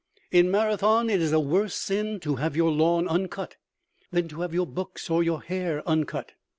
In Marathon it is a worse sin to have your lawn uncut than to have your books or your hair uncut.